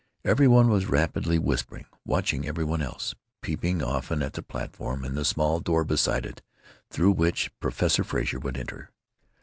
Every one was rapidly whispering, watching every one else, peeping often at the platform and the small door beside it through which Professor Frazer would enter.